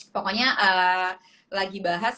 pokoknya lagi bahas